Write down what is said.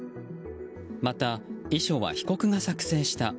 また、遺書は被告が作成した。